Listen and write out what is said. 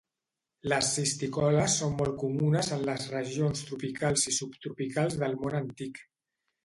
Les cisticoles són molt comunes en les regions tropicals i subtropicals del Món Antic.